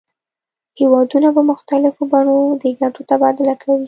هیوادونه په مختلفو بڼو د ګټو تبادله کوي